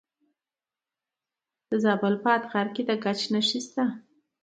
د زابل په اتغر کې د ګچ نښې شته.